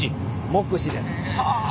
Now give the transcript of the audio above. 目視です。